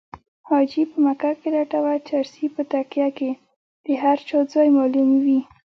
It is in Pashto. حاجي په مکه کې لټوه چرسي په تکیه کې د هر چا ځای معلوموي